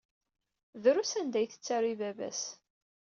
Drus anda ay tettaru i baba-s.